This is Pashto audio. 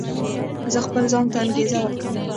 زه خپل ځان ته انګېزه ورکوم.